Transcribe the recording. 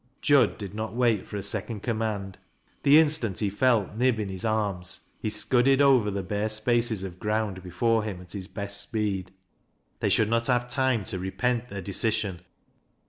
Jud did not wait for a second command. The instant he felt Nib in his arms, he scudded over the bare space of ground before him at his best speed. They should not have time to repent their decision.